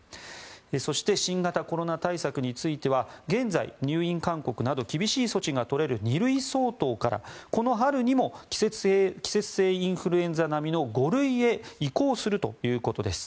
そして新型コロナ対策については現在、入院勧告など厳しい措置が取れる２類相当からこの春にも季節性インフルエンザ並みの５類へ移行するということです。